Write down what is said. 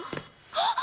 あっ！